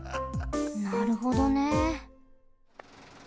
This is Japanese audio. なるほどね。